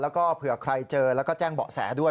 แล้วก็เผื่อใครเจอแล้วก็แจ้งเบาะแสด้วย